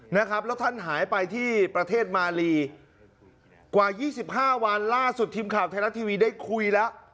แล้วท่านหายไปที่ประเทศมารีกว่า๒๕วันล่าสุดทีมข่าวไทยรัฐทีวีได้คุยแล้ว